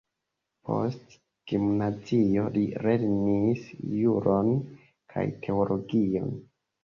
Post gimnazio li lernis juron kaj teologion.